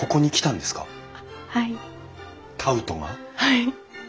はい。